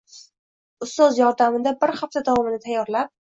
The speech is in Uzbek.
ustoz yordamida bir xafta davomida tayyorlab